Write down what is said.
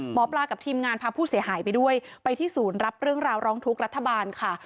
หมอปลากับทีมงานพาผู้เสียหายไปด้วยไปที่ศูนย์รับเรื่องราวร้องทุกข์รัฐบาลค่ะ